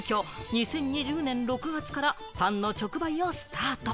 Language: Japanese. ２０２０年６月からパンの直売をスタート。